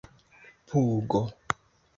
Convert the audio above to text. pugo